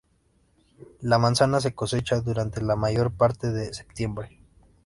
La manzana se cosecha durante la mayor parte de septiembre.